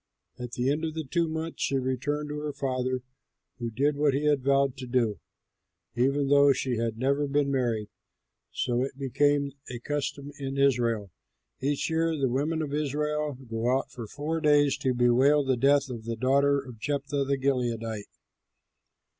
At the end of two months she returned to her father, who did what he had vowed to do, even though she had never been married. So it became a custom in Israel: each year the women of Israel go out for four days to bewail the death of the daughter of Jephthah, the Gileadite.